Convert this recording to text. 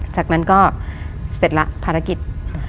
จากนั้นก็เสร็จละภารกิจ